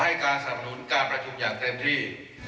ให้การสนับหนุนการประชุมอย่างเต็มที่